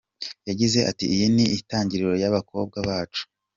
Yagize ati "Iyi ni intangiriro y’abakobwa bacu.